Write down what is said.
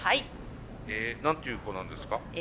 何ていう子なんですか？